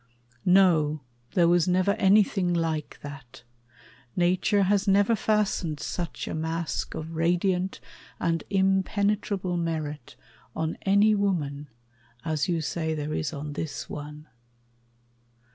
No, there was never anything like that; Nature has never fastened such a mask Of radiant and impenetrable merit On any woman as you say there is On this one.